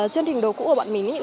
chương trình đồ cũ của bọn mình